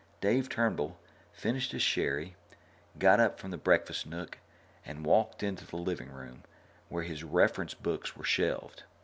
Dave Turnbull finished his sherry, got up from the breakfast nook, and walked into the living room, where his reference books were shelved.